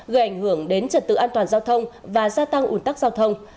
gây ảnh hưởng đến trật tự an toàn giao thông và gia tăng ủn tắc giao thông